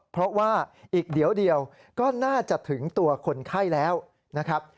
เพราะว่าอีกเดี๋ยวก็น่าจะถึงตัวคนไข้แล้วนะครับ